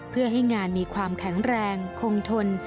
เพื่อให้งานมีความแข็งแรงคงทน